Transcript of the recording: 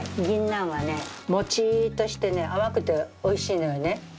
ぎんなんはねモチッとしてね甘くておいしいのよね。